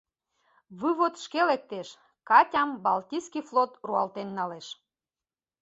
Вывод шке лектеш: Катям «Балтийский флот» руалтен налеш.